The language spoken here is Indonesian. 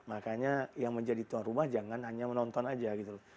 makanya yang menjadi tuan rumah jangan hanya menonton aja gitu loh